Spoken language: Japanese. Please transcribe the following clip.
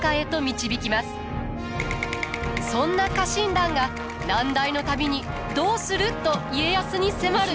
そんな家臣団が難題の度に「どうする」と家康に迫る。